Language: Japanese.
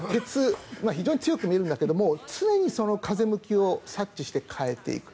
非常に強く見えるんだけど常に風向きを察知して変えていく。